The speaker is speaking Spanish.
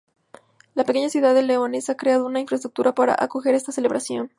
La pequeña ciudad de Leones ha creado una infraestructura para acoger esta celebración.